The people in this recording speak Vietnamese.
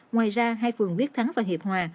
ngoài ra hai phường biết thắng và hiệp hòa